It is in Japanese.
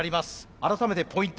改めてポイント